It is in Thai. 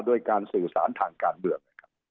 ด้วยการสื่อสารทางการเลือก